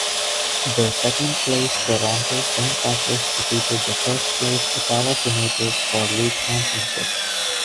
The second-place Toronto Saint Patricks defeated the first-place Ottawa Senators for the league championship.